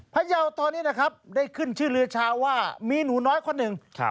พยาวตอนนี้นะครับได้ขึ้นชื่อเรือชาวว่ามีหนูน้อยคนหนึ่ง